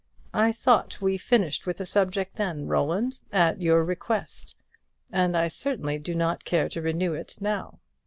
I thought we finished with the subject then, Roland, at your request; and I certainly do not care to renew it now."